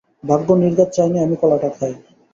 ভাগ্য নির্ঘাত চায়নি আমি কলাটা খাই।